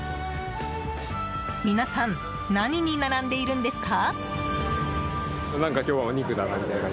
皆さん何に並んでいるんですか？